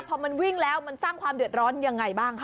พอมันวิ่งแล้วมันสร้างความเดือดร้อนยังไงบ้างคะ